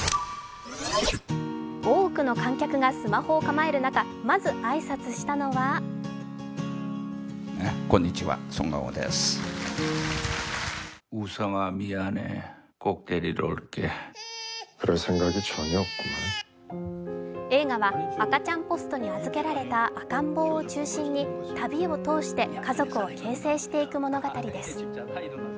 多くの観客がスマホを構える中、まず挨拶したのは映画は赤ちゃんポストに預けられた赤ん坊を中心に旅を通して家族を形成していく物語です。